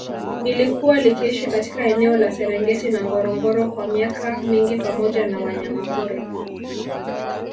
Ilikuwa likiishi katika eneo la Serengeti na Ngorongoro kwa miaka mingi pamoja na wanyamapori